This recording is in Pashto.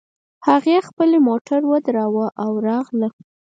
هغې خپلې موټر ودراوو او راغله